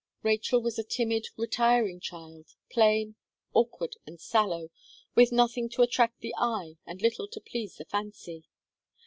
Rachel was a timid, retiring child, plain, awkward, and sallow, with nothing to attract the eye, and little to please the fancy.